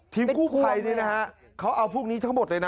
ทีมกู้ไข่เอาพวกนี้ทั้งหมดเลยนะ